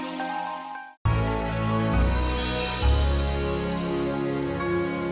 sampai jumpa lagi